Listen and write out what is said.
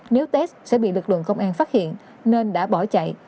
nếu tết sẽ bị lực lượng công an phát hiện nên đã bỏ chạy